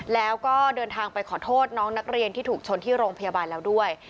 แล้วก็เดินทางไปขอโทษน้องนักเรียนที่ถูกชนที่โรงพยาบาลแล้วด้วย